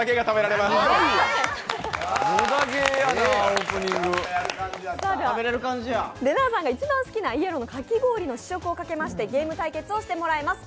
れなぁさんが一番好きなイエロのかき氷をかけてゲーム対決をしてもらいます。